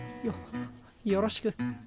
よろしく。